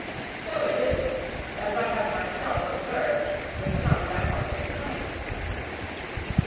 So it is, as I have myself observed, with some dimorphic plants.